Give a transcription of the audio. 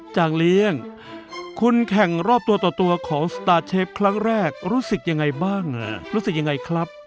จางเลี้ยงคุณแข่งรอบตัวต่อตัวของสตาร์เชฟครั้งแรกรู้สึกยังไงบ้างรู้สึกยังไงครับ